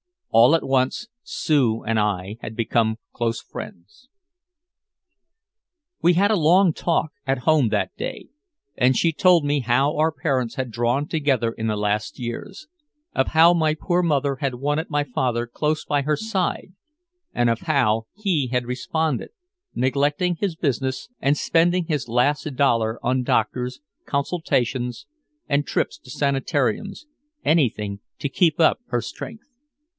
All at once Sue and I had become close friends. We had a long talk, at home that day, and she told me how our parents had drawn together in the last years, of how my poor mother had wanted my father close by her side and of how he had responded, neglecting his business and spending his last dollar on doctors, consultations and trips to sanitariums, anything to keep up her strength.